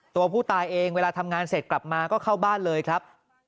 ตัวผู้ตายเองเวลาทำงานเสร็จกลับมาก็เข้าบ้านเลยครับ